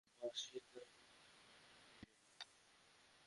মাসি দামিনীকে ঘরে রাখিবে না।